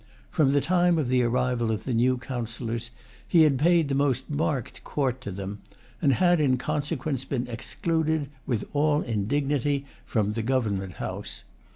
From the time of the arrival of the new Councillors, he had paid the most marked court to them, and had in consequence been excluded, with all indignity, from the Government House.